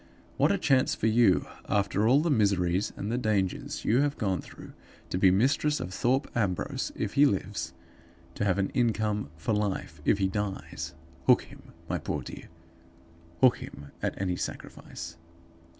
What a chance for you, after all the miseries and the dangers you have gone through, to be mistress of Thorpe Ambrose, if he lives; to have an income for life, if he dies! Hook him, my poor dear; hook him at any sacrifice.